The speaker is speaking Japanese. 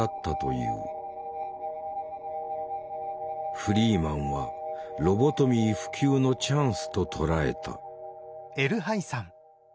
フリーマンはロボトミー普及のチャンスと捉えた。